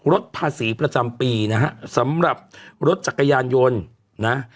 ลดภาษีประจำปีนะฮะสำหรับรถจักรยานยนต์นะ